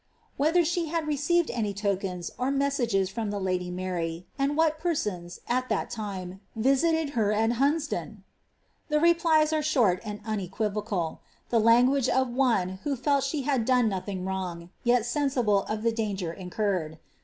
Whether she had received any tokens fir mes sages from ihe lady Alary, and what persons, at that time, visited her at [lunsdon 7" The replies are short alid unequivocal — the language of one who felt she had done nothing wrong, yet sensible of the danj^er incurred.